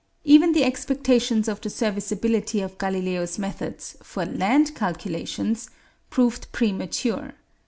Even the expectations of the serviceability of Galileo's methods for land calculations proved premature.